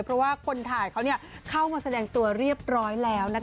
เพราะว่าคนถ่ายเขาเข้ามาแสดงตัวเรียบร้อยแล้ว